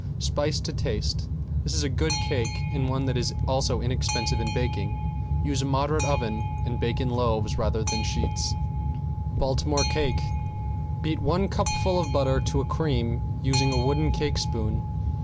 Spice to taste. This is a good cake and one which is also inexpensive in baking. Use a moderate oven and bake in loaves rather than sheets. ~BALTIMORE CAKE~ Beat one cupful of butter to a cream, using a wood cake spoon.